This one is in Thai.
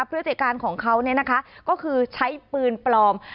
พยาบาลการณ์ของเขาเนี่ยนะคะก็คือใช้ปืนปลอม